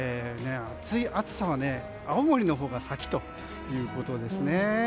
暑さは青森のほうが先ということですね。